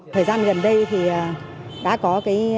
thời gian gần đây thì đã có